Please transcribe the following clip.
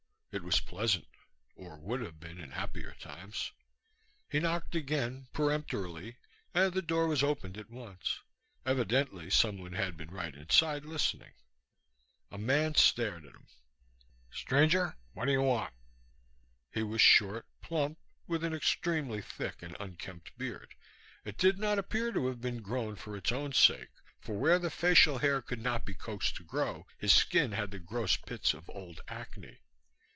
It was pleasant, or would have been in happier times. He knocked again, peremptorily, and the door was opened at once. Evidently someone had been right inside, listening. A man stared at him. "Stranger, what do you want?" He was short, plump, with an extremely thick and unkempt beard. It did not appear to have been grown for its own sake, for where the facial hair could not be coaxed to grow his skin had the gross pits of old acne.